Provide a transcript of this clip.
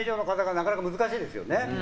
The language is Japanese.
なかなか難しいですよね。